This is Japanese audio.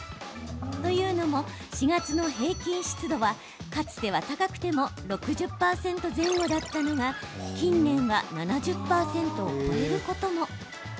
というのも、４月の平均湿度はかつては高くても６０％前後だったのが近年は７０％を超えることも。